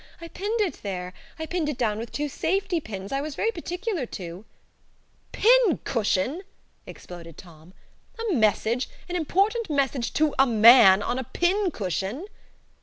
I pinned it there. I pinned it down with two safety pins. I was very particular to." "PIN CUSHION!" exploded Tom. "A message an important message to a MAN on a PIN cushion!"